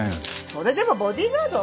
それでもボディーガード？